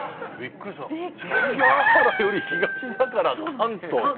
関ケ原より東だから関東。